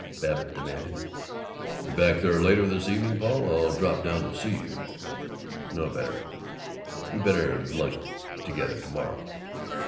Babbitt demanded, "Be back there later this evening, Paul? I'll drop down and see you." "No, better We better lunch together to morrow."